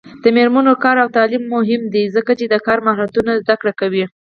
د میرمنو کار او تعلیم مهم دی ځکه چې کار مهارتونو زدکړه کوي.